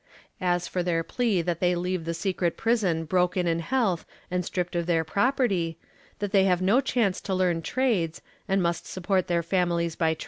As for their plea that they leave the secret prison broken in health and stripped of their property, that they have no chance to learn trades and must support their families by.